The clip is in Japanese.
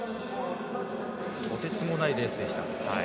とてつもないレースでした。